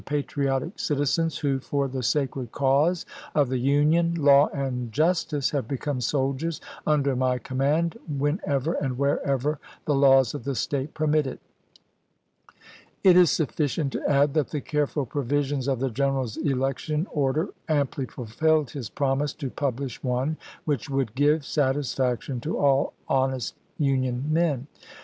patriotic citizens who, for the sacred cause of the Union, law, and justice, have become soldiers under Rosecrans ,, t t xi i p to Lincoln, my commaud, whenever and wherever the laws of MS. ■ the State permit it." It is sufficient to add that the careful provisions of the general's election order amply fulfilled his promise to publish one which would " give satisfaction to all honest Union men."